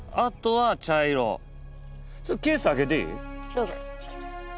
どうぞ。